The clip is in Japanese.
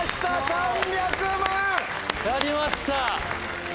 やりました！